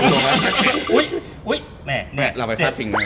โอ้ยแหมเราไปฟาสต์ฟิงด์เลย